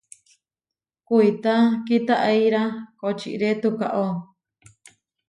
Kuitá kitaʼeíra kočiré tukaó.